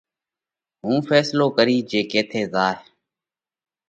هُون ڦينصلو ڪرِيه جي ڪيٿئہ زائِيه۔